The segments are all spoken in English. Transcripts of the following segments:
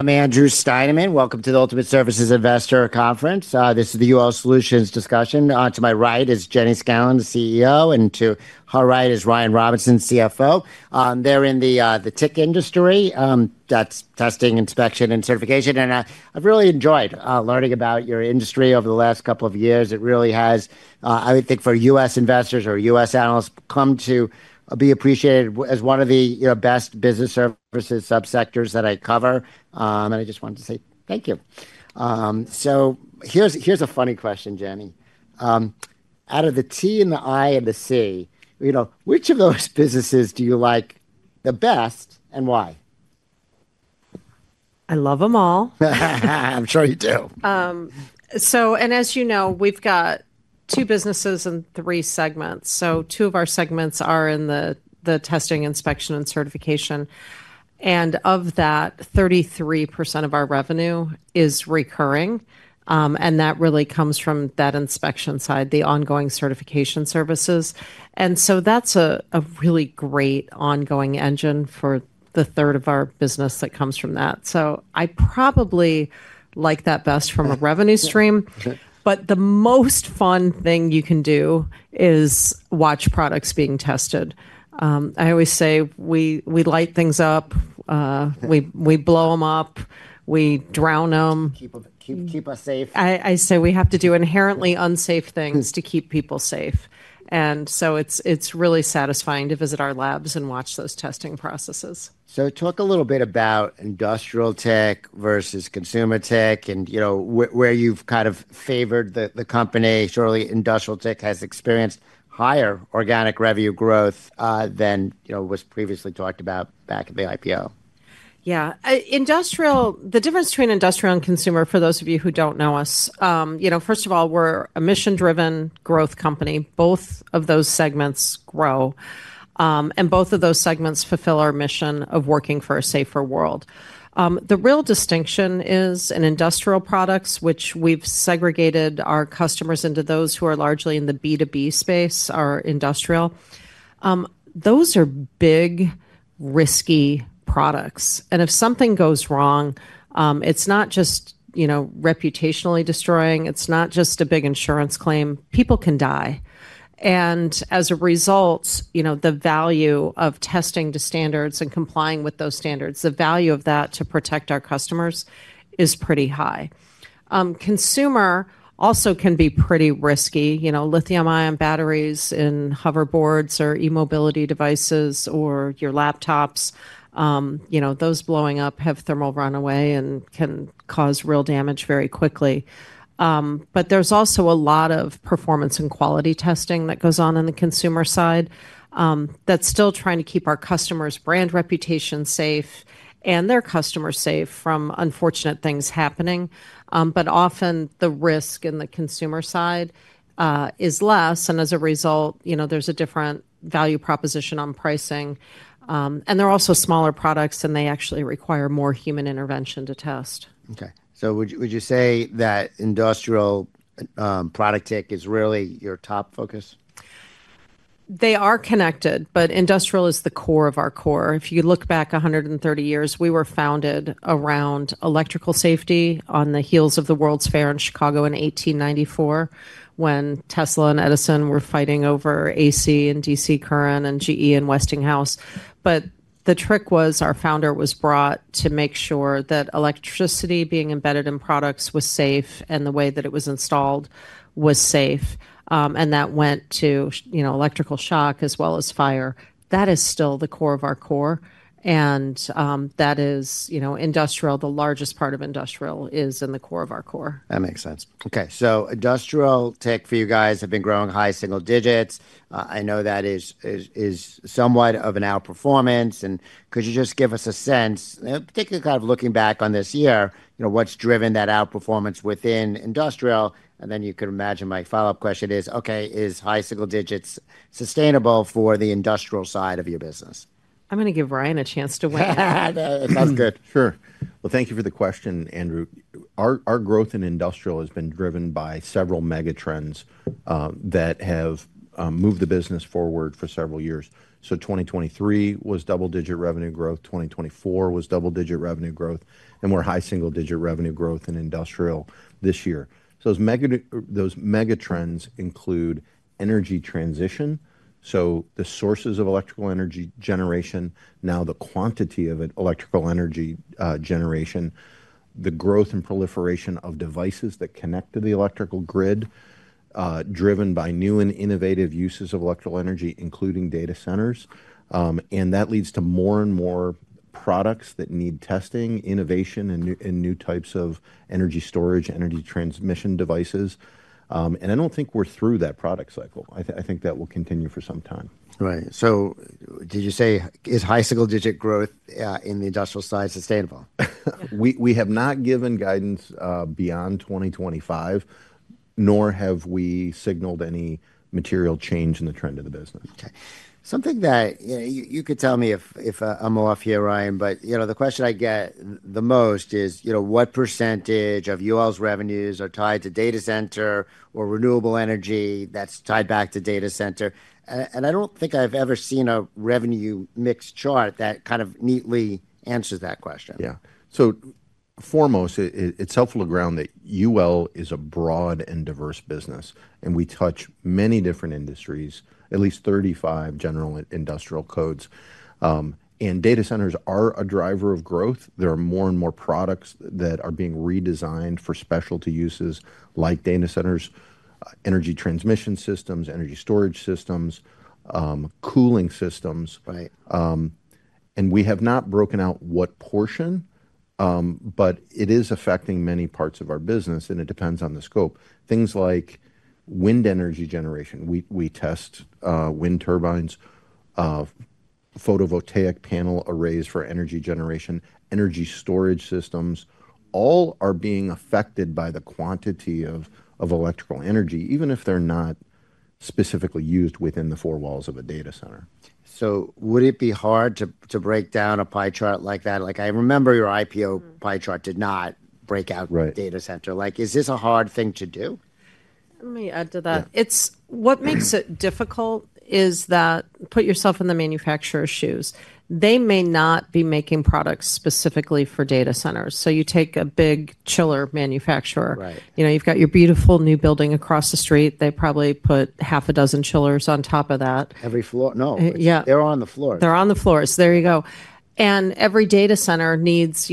I'm Andrew Steineman. Welcome to the Ultimate Services Investor Conference. This is the UL Solutions discussion. To my right is Jenny Scanlon, the CEO, and to her right is Ryan Robinson, CFO. They're in the tech industry, that's testing, inspection, and certification. I’ve really enjoyed learning about your industry over the last couple of years. It really has, I think, for U.S. investors or U.S. analysts, come to be appreciated as one of the best business services subsectors that I cover. I just wanted to say thank you. Here’s a funny question, Jenny. Out of the T and the I and the C, which of those businesses do you like the best and why? I love them all. I'm sure you do. As you know, we have two businesses and three segments. Two of our segments are in the testing, inspection, and certification. Of that, 33% of our revenue is recurring. That really comes from that inspection side, the ongoing certification services. That is a really great ongoing engine for the third of our business that comes from that. I probably like that best from a revenue stream. The most fun thing you can do is watch products being tested. I always say we light things up, we blow them up, we drown them. Keep us safe. I say we have to do inherently unsafe things to keep people safe. It is really satisfying to visit our labs and watch those testing processes. Talk a little bit about industrial tech versus consumer tech and where you've kind of favored the company. Surely industrial tech has experienced higher organic revenue growth than was previously talked about back at the IPO. Yeah. The difference between industrial and consumer, for those of you who don't know us, first of all, we're a mission-driven growth company. Both of those segments grow. Both of those segments fulfill our mission of working for a safer world. The real distinction is in industrial products, which we've segregated our customers into those who are largely in the B2B space, our industrial. Those are big, risky products. If something goes wrong, it's not just reputationally destroying. It's not just a big insurance claim. People can die. As a result, the value of testing to standards and complying with those standards, the value of that to protect our customers is pretty high. Consumer also can be pretty risky. Lithium-ion batteries in hoverboards or e-mobility devices or your laptops, those blowing up have thermal runaway and can cause real damage very quickly. There is also a lot of performance and quality testing that goes on on the consumer side that is still trying to keep our customers' brand reputation safe and their customers safe from unfortunate things happening. Often the risk in the consumer side is less. As a result, there is a different value proposition on pricing. They are also smaller products and they actually require more human intervention to test. Okay. So would you say that industrial product tech is really your top focus? They are connected, but industrial is the core of our core. If you look back 130 years, we were founded around electrical safety on the heels of the World's Fair in Chicago in 1894 when Tesla and Edison were fighting over AC and DC current and GE and Westinghouse. The trick was our founder was brought to make sure that electricity being embedded in products was safe and the way that it was installed was safe. That went to electrical shock as well as fire. That is still the core of our core. That is industrial, the largest part of industrial is in the core of our core. That makes sense. Okay. So industrial tech for you guys have been growing high single digits. I know that is somewhat of an outperformance. Could you just give us a sense, particularly kind of looking back on this year, what's driven that outperformance within industrial? You could imagine my follow-up question is, okay, is high single digits sustainable for the industrial side of your business? I'm going to give Ryan a chance to weigh in. Sounds good. Sure. Thank you for the question, Andrew. Our growth in industrial has been driven by several mega trends that have moved the business forward for several years. 2023 was double-digit revenue growth. 2024 was double-digit revenue growth. We are high single-digit revenue growth in industrial this year. Those mega trends include energy transition, the sources of electrical energy generation, now the quantity of electrical energy generation, the growth and proliferation of devices that connect to the electrical grid, driven by new and innovative uses of electrical energy, including data centers. That leads to more and more products that need testing, innovation, and new types of energy storage, energy transmission devices. I do not think we are through that product cycle. I think that will continue for some time. Right. Did you say is high single-digit growth in the industrial side sustainable? We have not given guidance beyond 2025, nor have we signaled any material change in the trend of the business. Okay. Something that you could tell me if I'm off here, Ryan, but the question I get the most is what % of UL's revenues are tied to data center or renewable energy that's tied back to data center? I don't think I've ever seen a revenue mix chart that kind of neatly answers that question. Yeah. So foremost, it's helpful to ground that UL is a broad and diverse business. We touch many different industries, at least 35 general industrial codes. Data centers are a driver of growth. There are more and more products that are being redesigned for specialty uses like data centers, energy transmission systems, energy storage systems, cooling systems. We have not broken out what portion, but it is affecting many parts of our business, and it depends on the scope. Things like wind energy generation, we test wind turbines, photovoltaic panel arrays for energy generation, energy storage systems, all are being affected by the quantity of electrical energy, even if they're not specifically used within the four walls of a data center. Would it be hard to break down a pie chart like that? I remember your IPO pie chart did not break out data center. Is this a hard thing to do? Let me add to that. What makes it difficult is that, put yourself in the manufacturer's shoes. They may not be making products specifically for data centers. You take a big chiller manufacturer. You have your beautiful new building across the street. They probably put half a dozen chillers on top of that. Every floor? No. They're on the floor. They're on the floors. There you go. Every data center needs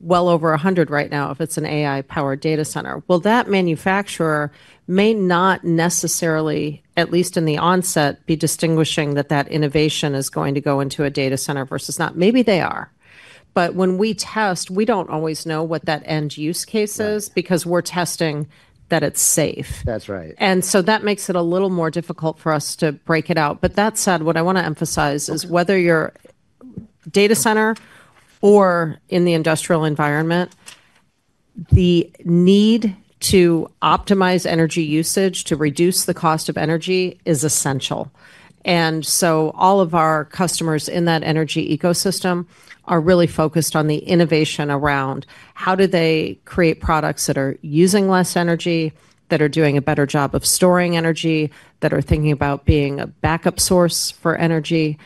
well over 100 right now if it's an AI-powered data center. That manufacturer may not necessarily, at least in the onset, be distinguishing that that innovation is going to go into a data center versus not. Maybe they are. When we test, we don't always know what that end use case is because we're testing that it's safe. That's right. That makes it a little more difficult for us to break it out. That said, what I want to emphasize is whether you're data center or in the industrial environment, the need to optimize energy usage to reduce the cost of energy is essential. All of our customers in that energy ecosystem are really focused on the innovation around how do they create products that are using less energy, that are doing a better job of storing energy, that are thinking about being a backup source for energy.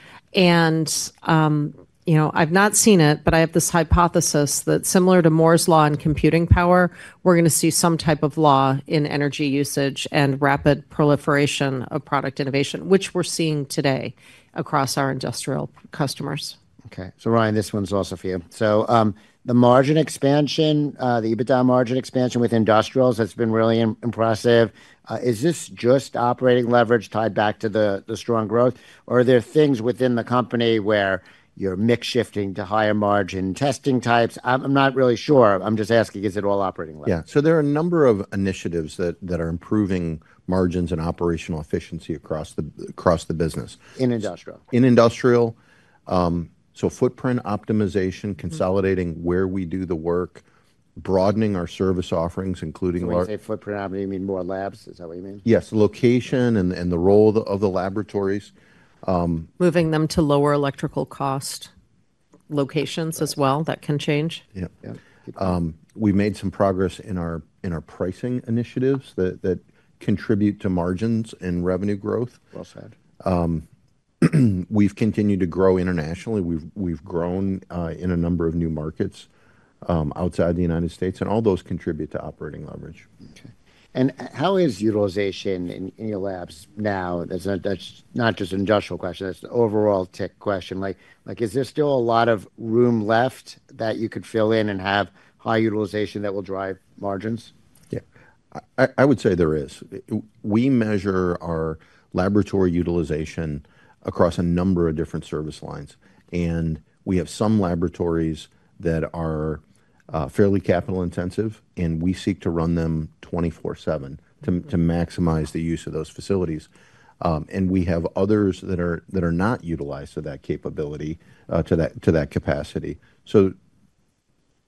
I've not seen it, but I have this hypothesis that similar to Moore's law in computing power, we're going to see some type of law in energy usage and rapid proliferation of product innovation, which we're seeing today across our industrial customers. Okay. Ryan, this one's also for you. The margin expansion, the EBITDA margin expansion with industrials has been really impressive. Is this just operating leverage tied back to the strong growth? Or are there things within the company where you're mix-shifting to higher margin testing types? I'm not really sure. I'm just asking, is it all operating leverage? Yeah. There are a number of initiatives that are improving margins and operational efficiency across the business. In industrial? In industrial. Footprint optimization, consolidating where we do the work, broadening our service offerings, including large. When you say footprint, do you mean more labs? Is that what you mean? Yes. Location and the role of the laboratories. Moving them to lower electrical cost locations as well, that can change. Yep. Yep. We've made some progress in our pricing initiatives that contribute to margins and revenue growth. Well said. We've continued to grow internationally. We've grown in a number of new markets outside the United States. All those contribute to operating leverage. Okay. How is utilization in your labs now? That is not just an industrial question. That is an overall tech question. Is there still a lot of room left that you could fill in and have high utilization that will drive margins? Yeah. I would say there is. We measure our laboratory utilization across a number of different service lines. We have some laboratories that are fairly capital intensive. We seek to run them 24/7 to maximize the use of those facilities. We have others that are not utilized to that capability, to that capacity.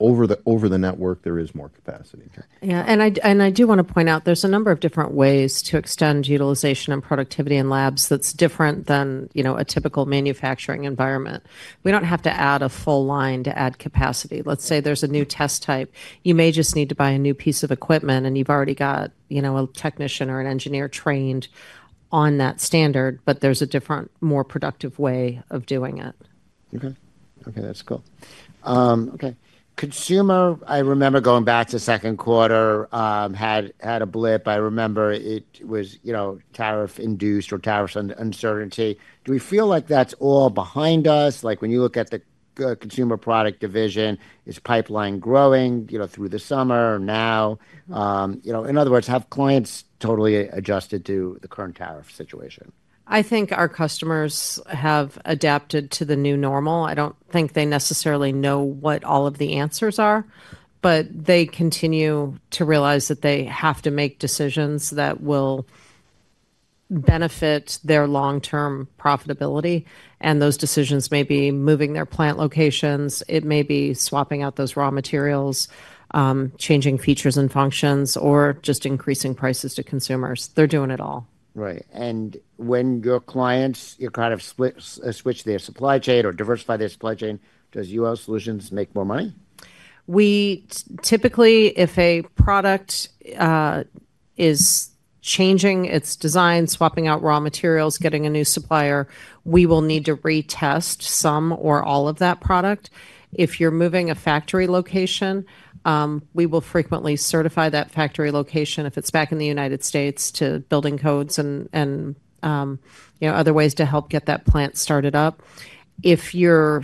Over the network, there is more capacity. Yeah. I do want to point out there's a number of different ways to extend utilization and productivity in labs that's different than a typical manufacturing environment. We don't have to add a full line to add capacity. Let's say there's a new test type. You may just need to buy a new piece of equipment and you've already got a technician or an engineer trained on that standard, but there's a different, more productive way of doing it. Okay. Okay. That's cool. Okay. Consumer, I remember going back to second quarter, had a blip. I remember it was tariff-induced or tariff uncertainty. Do we feel like that's all behind us? Like when you look at the consumer product division, is pipeline growing through the summer or now? In other words, have clients totally adjusted to the current tariff situation? I think our customers have adapted to the new normal. I do not think they necessarily know what all of the answers are, but they continue to realize that they have to make decisions that will benefit their long-term profitability. Those decisions may be moving their plant locations. It may be swapping out those raw materials, changing features and functions, or just increasing prices to consumers. They are doing it all. Right. When your clients kind of switch their supply chain or diversify their supply chain, does UL Solutions make more money? Typically, if a product is changing its design, swapping out raw materials, getting a new supplier, we will need to retest some or all of that product. If you're moving a factory location, we will frequently certify that factory location if it's back in the United States to building codes and other ways to help get that plant started up. If you're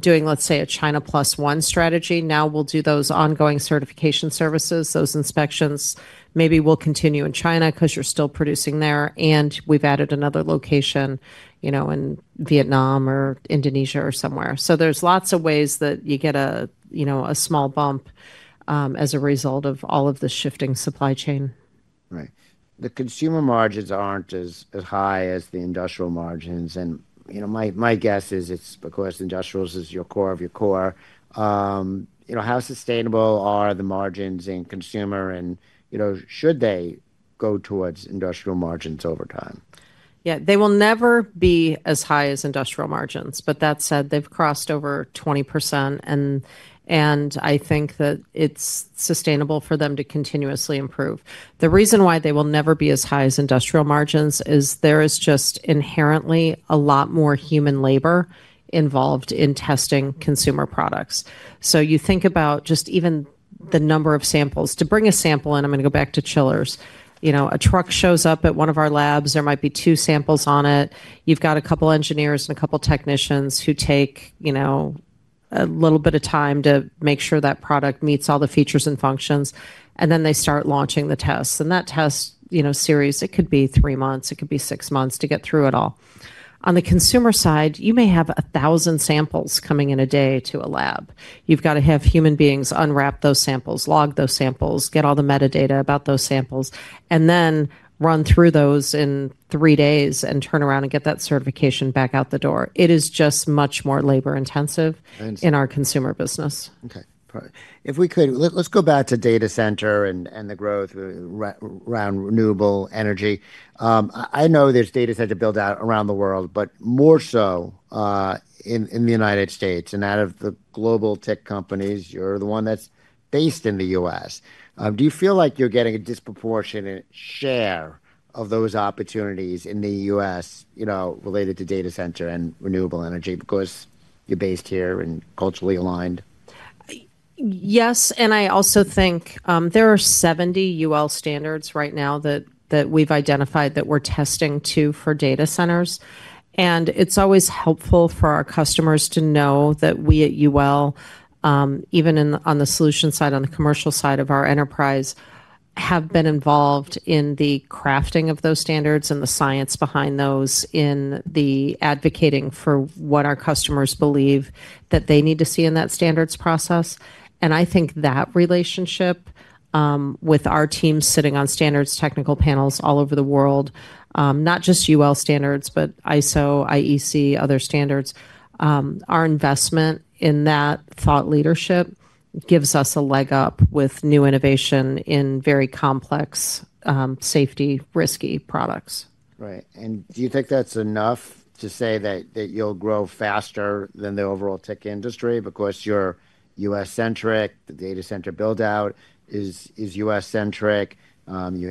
doing, let's say, a China plus one strategy, now we'll do those ongoing certification services, those inspections. Maybe we'll continue in China because you're still producing there. And we've added another location in Vietnam or Indonesia or somewhere. There are lots of ways that you get a small bump as a result of all of the shifting supply chain. Right. The consumer margins aren't as high as the industrial margins. My guess is it's because industrials is your core of your core. How sustainable are the margins in consumer? Should they go towards industrial margins over time? Yeah. They will never be as high as industrial margins. That said, they've crossed over 20%. I think that it's sustainable for them to continuously improve. The reason why they will never be as high as industrial margins is there is just inherently a lot more human labor involved in testing consumer products. You think about just even the number of samples. To bring a sample in, I'm going to go back to chillers. A truck shows up at one of our labs. There might be two samples on it. You've got a couple of engineers and a couple of technicians who take a little bit of time to make sure that product meets all the features and functions. They start launching the tests. That test series, it could be three months. It could be six months to get through it all. On the consumer side, you may have 1,000 samples coming in a day to a lab. You have to have human beings unwrap those samples, log those samples, get all the metadata about those samples, and then run through those in three days and turn around and get that certification back out the door. It is just much more labor-intensive in our consumer business. Okay. If we could, let's go back to data center and the growth around renewable energy. I know there's data center build-out around the world, but more so in the United States. Out of the global tech companies, you're the one that's based in the U.S. Do you feel like you're getting a disproportionate share of those opportunities in the U.S. related to data center and renewable energy because you're based here and culturally aligned? Yes. I also think there are 70 UL standards right now that we've identified that we're testing to for data centers. It's always helpful for our customers to know that we at UL, even on the solution side, on the commercial side of our enterprise, have been involved in the crafting of those standards and the science behind those in the advocating for what our customers believe that they need to see in that standards process. I think that relationship with our team sitting on standards, technical panels all over the world, not just UL standards, but ISO, IEC, other standards, our investment in that thought leadership gives us a leg up with new innovation in very complex, safety, risky products. Right. Do you think that's enough to say that you'll grow faster than the overall tech industry because you're U.S.-centric, the data center build-out is U.S.-centric?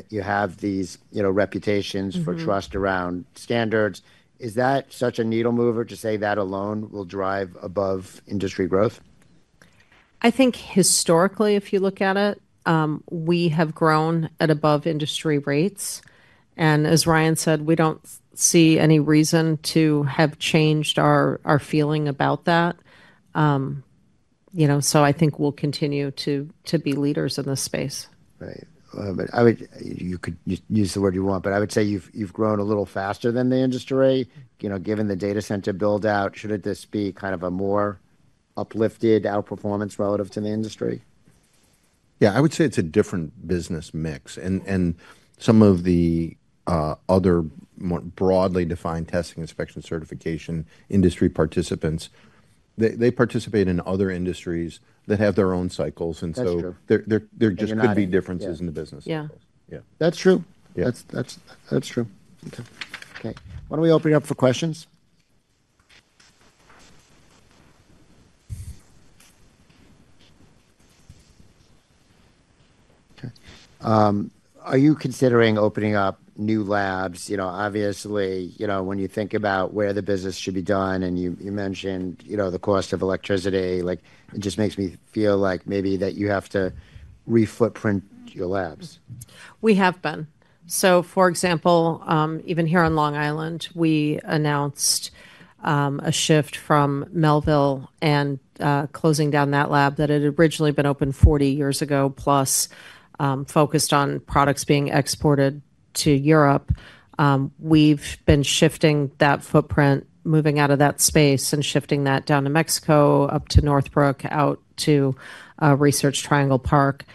You have these reputations for trust around standards. Is that such a needle mover to say that alone will drive above industry growth? I think historically, if you look at it, we have grown at above industry rates. As Ryan said, we do not see any reason to have changed our feeling about that. I think we will continue to be leaders in this space. Right. You could use the word you want, but I would say you've grown a little faster than the industry. Given the data center build-out, shouldn't this be kind of a more uplifted outperformance relative to the industry? Yeah. I would say it's a different business mix. Some of the other more broadly defined testing, inspection, certification industry participants, they participate in other industries that have their own cycles. There just could be differences in the business. Yeah. Yeah. That's true. That's true. Okay. Okay. Why don't we open it up for questions? Okay. Are you considering opening up new labs? Obviously, when you think about where the business should be done, and you mentioned the cost of electricity, it just makes me feel like maybe that you have to refootprint your labs. We have been. For example, even here on Long Island, we announced a shift from Melville and closing down that lab that had originally been open 40 years ago, plus focused on products being exported to Europe. We have been shifting that footprint, moving out of that space and shifting that down to Mexico, up to Northbrook, out to Research Triangle Park.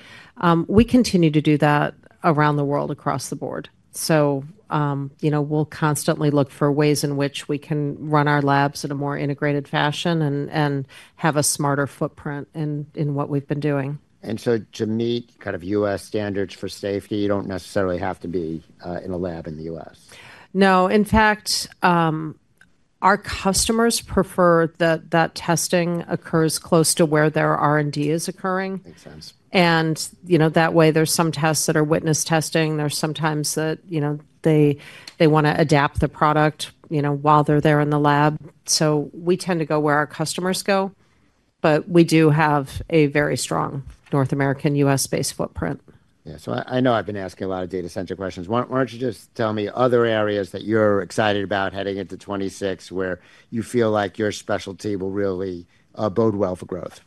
We continue to do that around the world across the board. We will constantly look for ways in which we can run our labs in a more integrated fashion and have a smarter footprint in what we have been doing. To meet kind of U.S. standards for safety, you do not necessarily have to be in a lab in the U.S. No. In fact, our customers prefer that that testing occurs close to where their R&D is occurring. Makes sense. There are some tests that are witness testing. Sometimes they want to adapt the product while they are there in the lab. We tend to go where our customers go, but we do have a very strong North American, U.S.-based footprint. Yeah. So I know I've been asking a lot of data center questions. Why don't you just tell me other areas that you're excited about heading into 2026 where you feel like your specialty will really bode well for growth?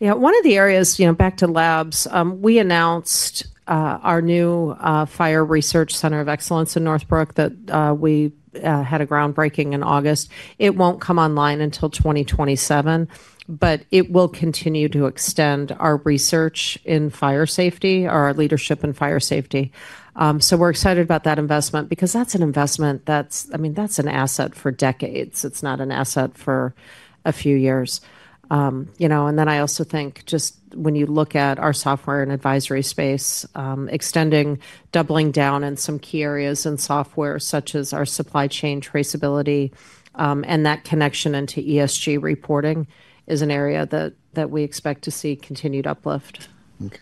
Yeah. One of the areas, back to labs, we announced our new Fire Research Center of Excellence in Northbrook that we had a groundbreaking in August. It will not come online until 2027, but it will continue to extend our research in fire safety, our leadership in fire safety. We are excited about that investment because that is an investment that is, I mean, that is an asset for decades. It is not an asset for a few years. I also think just when you look at our software and advisory space, extending, doubling down in some key areas in software such as our supply chain traceability and that connection into ESG reporting is an area that we expect to see continued uplift. Okay.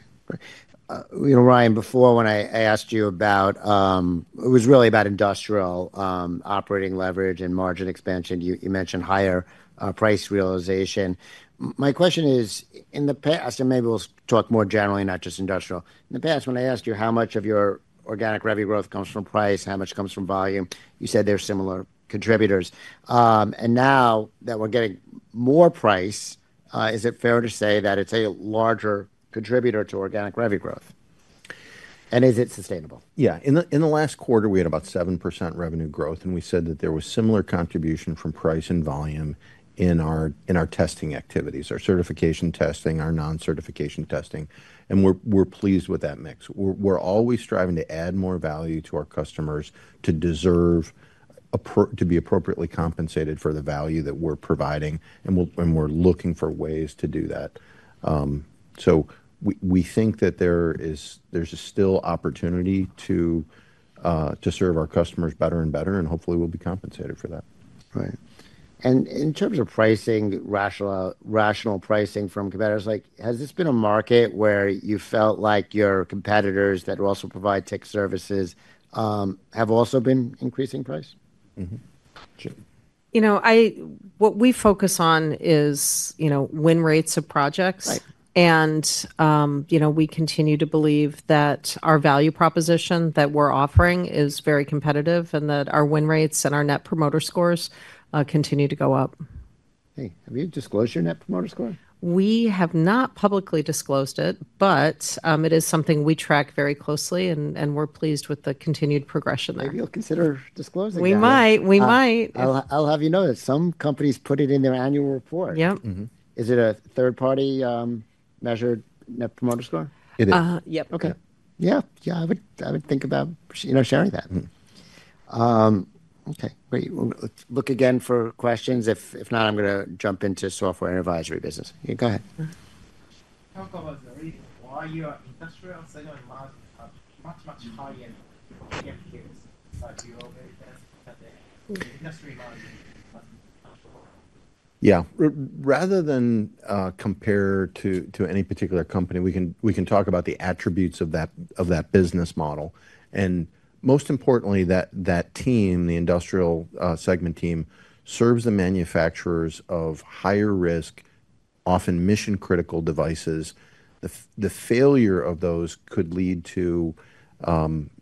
Right. Ryan, before when I asked you about, it was really about industrial operating leverage and margin expansion. You mentioned higher price realization. My question is, in the past, and maybe we will talk more generally, not just industrial. In the past, when I asked you how much of your organic revenue growth comes from price, how much comes from volume, you said they are similar contributors. Now that we are getting more price, is it fair to say that it is a larger contributor to organic revenue growth? Is it sustainable? Yeah. In the last quarter, we had about 7% revenue growth. We said that there was similar contribution from price and volume in our testing activities, our certification testing, our non-certification testing. We are pleased with that mix. We are always striving to add more value to our customers to be appropriately compensated for the value that we are providing. We are looking for ways to do that. We think that there is still opportunity to serve our customers better and better. Hopefully, we will be compensated for that. Right. In terms of pricing, rational pricing from competitors, has this been a market where you felt like your competitors that also provide tech services have also been increasing price? What we focus on is win rates of projects. We continue to believe that our value proposition that we're offering is very competitive and that our win rates and our net promoter scores continue to go up. Hey, have you disclosed your net promoter score? We have not publicly disclosed it, but it is something we track very closely. We are pleased with the continued progression there. Maybe you'll consider disclosing that. We might. I'll have you know that some companies put it in their annual report. Yep. Is it a third-party measured net promoter score? It is. Yep. Okay. Yeah. I would think about sharing that. Okay. Great. Look again for questions. If not, I'm going to jump into software and advisory business. You can go ahead. Why your industrial segment margin are much much higher than the PMPS that you Yeah. Rather than compare to any particular company, we can talk about the attributes of that business model. Most importantly, that team, the industrial segment team, serves the manufacturers of higher risk, often mission-critical devices. The failure of those could lead to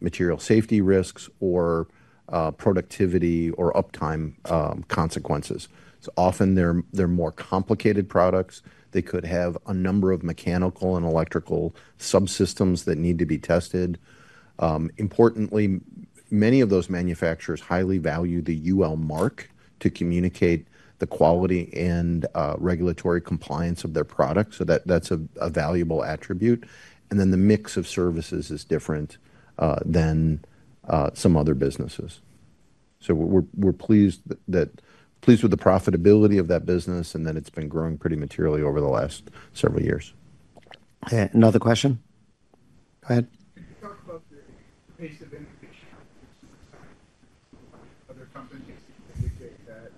material safety risks or productivity or uptime consequences. Often, they're more complicated products. They could have a number of mechanical and electrical subsystems that need to be tested. Importantly, many of those manufacturers highly value the UL mark to communicate the quality and regulatory compliance of their products. That's a valuable attribute. The mix of services is different than some other businesses. We're pleased with the profitability of that business. It's been growing pretty materially over the last several years. Okay. Another question. Go ahead. Can you talk about the pace of innovation? Other companies indicate that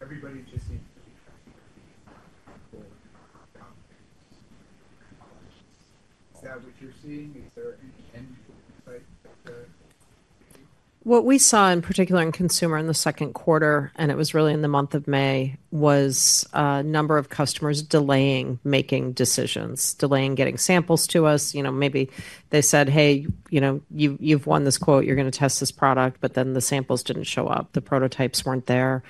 everybody just What we saw in particular in consumer in the second quarter, and it was really in the month of May, was a number of customers delaying making decisions, delaying getting samples to us. Maybe they said, "Hey, you've won this quote. You're going to test this product." The samples did not show up. The prototypes were not there.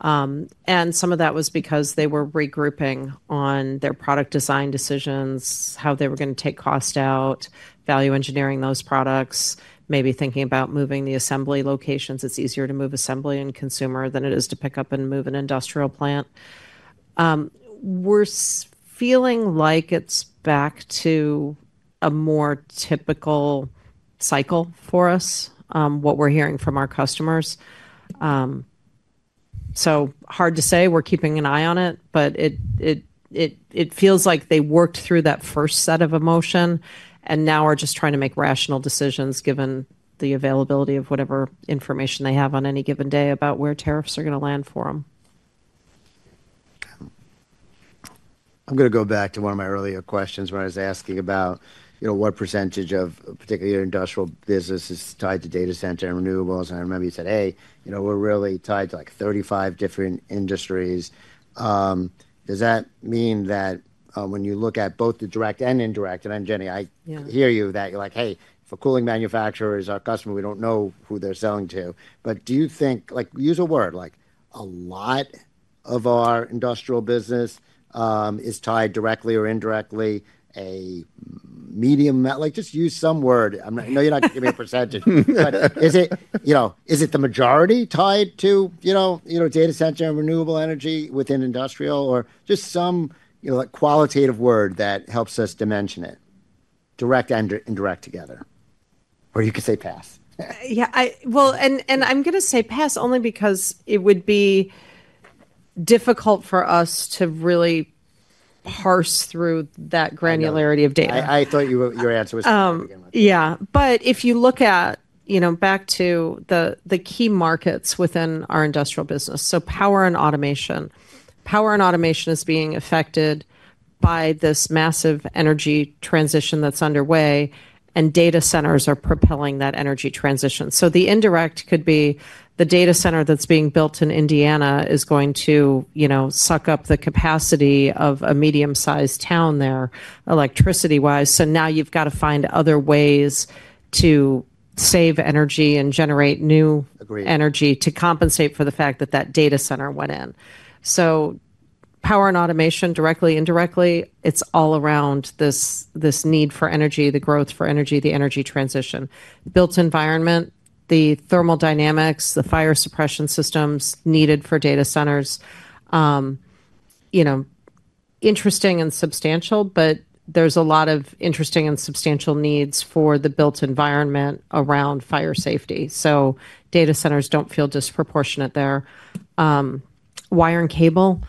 Some of that was because they were regrouping on their product design decisions, how they were going to take cost out, value engineering those products, maybe thinking about moving the assembly locations. It is easier to move assembly in consumer than it is to pick up and move an industrial plant. We are feeling like it is back to a more typical cycle for us, what we are hearing from our customers. Hard to say. We are keeping an eye on it. It feels like they worked through that first set of emotion and now are just trying to make rational decisions given the availability of whatever information they have on any given day about where tariffs are going to land for them. I'm going to go back to one of my earlier questions when I was asking about what % of particularly your industrial business is tied to data center and renewables. I remember you said, "Hey, we're really tied to like 35 different industries." Does that mean that when you look at both the direct and indirect, and I'm Jenny, I hear you that you're like, "Hey, for cooling manufacturers, our customer, we don't know who they're selling to." Do you think, use a word, like a lot of our industrial business is tied directly or indirectly, a medium? Just use some word. I know you're not giving me a %. Is it the majority tied to data center and renewable energy within industrial or just some qualitative word that helps us dimension it, direct and indirect together? You could say pass. Yeah. I am going to say pass only because it would be difficult for us to really parse through that granularity of data. I thought your answer was to begin with. Yeah. If you look back to the key markets within our industrial business, power and automation. Power and automation is being affected by this massive energy transition that's underway. Data centers are propelling that energy transition. The indirect could be the data center that's being built in Indiana is going to suck up the capacity of a medium-sized town there electricity-wise. Now you've got to find other ways to save energy and generate new energy to compensate for the fact that that data center went in. Power and automation, directly, indirectly, it's all around this need for energy, the growth for energy, the energy transition. Built environment, the thermal dynamics, the fire suppression systems needed for data centers. Interesting and substantial, but there's a lot of interesting and substantial needs for the built environment around fire safety. Data centers do not feel disproportionate there. Wire and cable,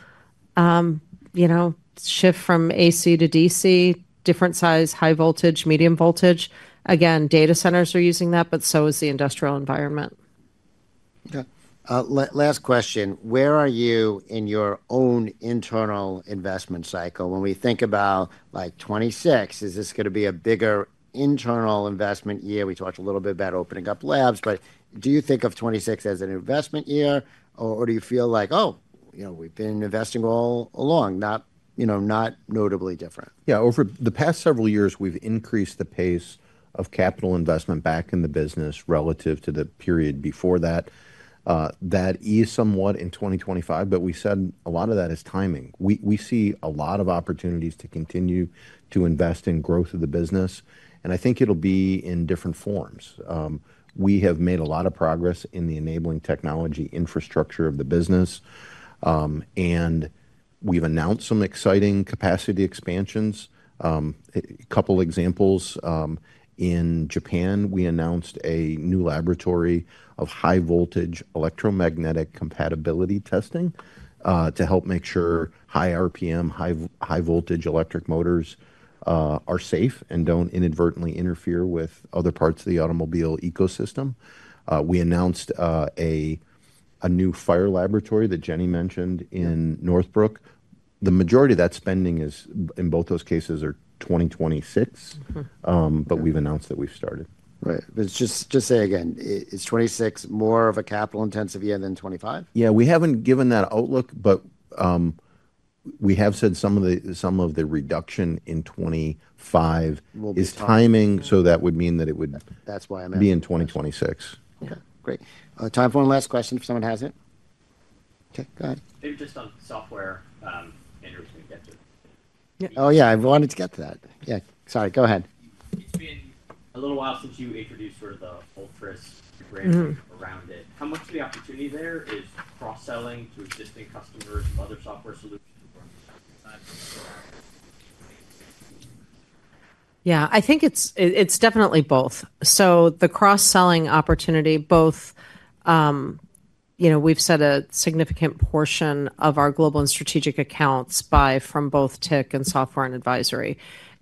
shift from AC to DC, different size, high voltage, medium voltage. Again, data centers are using that, but so is the industrial environment. Okay. Last question. Where are you in your own internal investment cycle? When we think about 2026, is this going to be a bigger internal investment year? We talked a little bit about opening up labs. But do you think of 2026 as an investment year? Or do you feel like, "Oh, we've been investing all along, not notably different"? Yeah. Over the past several years, we've increased the pace of capital investment back in the business relative to the period before that. That is somewhat in 2025. We said a lot of that is timing. We see a lot of opportunities to continue to invest in growth of the business. I think it'll be in different forms. We have made a lot of progress in the enabling technology infrastructure of the business. We've announced some exciting capacity expansions. A couple of examples. In Japan, we announced a new laboratory of high-voltage electromagnetic compatibility testing to help make sure high RPM, high-voltage electric motors are safe and do not inadvertently interfere with other parts of the automobile ecosystem. We announced a new fire laboratory that Jenny mentioned in Northbrook. The majority of that spending in both those cases is 2026. We've announced that we've started. Right. Just say again, is 2026 more of a capital-intensive year than 2025? Yeah. We haven't given that outlook. We have said some of the reduction in 2025 is timing. That would mean that it would be in 2026. Okay. Great. Time for one last question if someone has it. Okay. Go ahead. Maybe just on software, Oh, yeah. I wanted to get to that. Yeah. Sorry. Go ahead. It's been a little while since you introduced sort of the Ultras brand around it. How much of the opportunity there is cross-selling to existing customers of other software solutions? Yeah. I think it's definitely both. The cross-selling opportunity, both we've set a significant portion of our global and strategic accounts buy from both tech and software and advisory.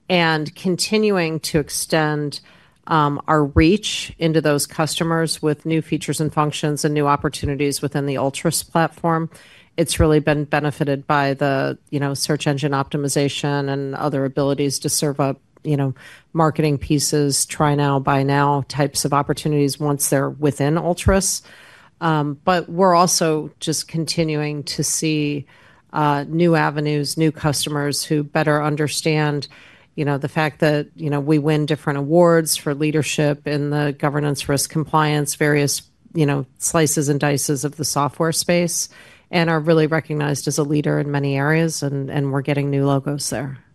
Continuing to extend our reach into those customers with new features and functions and new opportunities within the Ultras platform. It's really been benefited by the search engine optimization and other abilities to serve up marketing pieces, try now, buy now types of opportunities once they're within Ultras. We're also just continuing to see new avenues, new customers who better understand the fact that we win different awards for leadership in the governance, risk, compliance, various slices and dices of the software space and are really recognized as a leader in many areas. We're getting new logos there. All right.